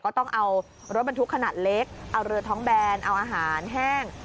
ก็ต้องเอารถบรรทุกขนาดเล็กเอาเรือท้องแบนเอาอาหารแห้ง